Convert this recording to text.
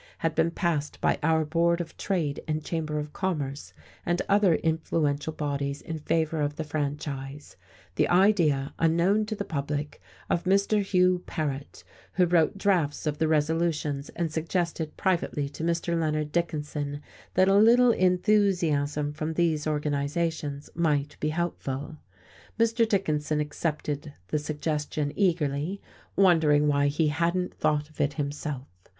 had been passed by our Board of Trade and Chamber of Commerce and other influential bodies in favour of the franchise; the idea unknown to the public of Mr. Hugh Paret, who wrote drafts of the resolutions and suggested privately to Mr. Leonard Dickinson that a little enthusiasm from these organizations might be helpful. Mr. Dickinson accepted the suggestion eagerly, wondering why he hadn't thought of it himself.